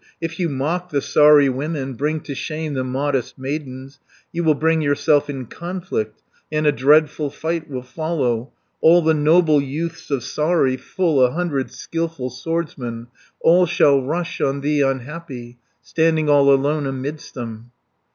If you mock the Saari women, Bring to shame the modest maidens, You will bring yourself in conflict, And a dreadful fight will follow. All the noble youths of Saari, Full a hundred skilful swordsmen, 100 All shall rush on thee unhappy, Standing all alone amidst them."